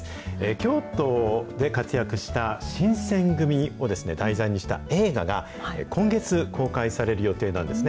京都で活躍した新選組を題材にした映画が、今月、公開される予定なんですね。